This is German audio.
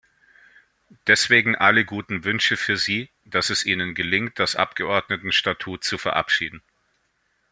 Deswegen alle guten Wünsche für Sie, dass es Ihnen gelingt, das Abgeordnetenstatut zu verabschieden!